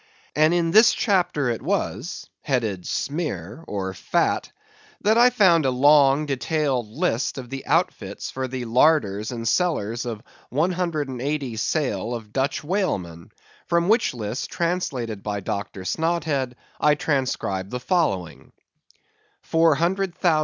And in this chapter it was, headed, "Smeer," or "Fat," that I found a long detailed list of the outfits for the larders and cellars of 180 sail of Dutch whalemen; from which list, as translated by Dr. Snodhead, I transcribe the following: 400,000 lbs.